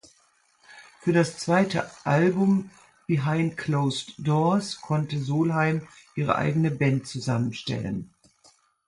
Für das zweite Album "Behind Closed Doors" konnte Solheim ihre eigene Band zusammenstellen.